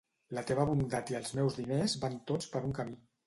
La teva bondat i els meus diners van tots per un camí.